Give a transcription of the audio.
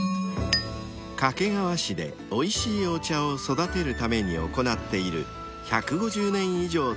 ［掛川市でおいしいお茶を育てるために行っている］